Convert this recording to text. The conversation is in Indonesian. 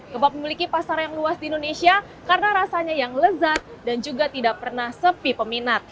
kebab memiliki pasar yang luas di indonesia karena rasanya yang lezat dan juga tidak pernah sepi peminat